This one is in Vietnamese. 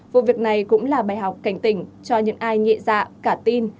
vụ việc này cũng là bài học cảnh tỉnh cho những ai nhẹ dạ cả tin